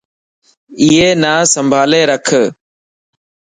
ائي نا سمڀالي رک.